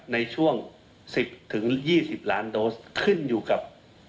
ในช่วง๑๐๒๐ล้านโดสขึ้นอยู่กับ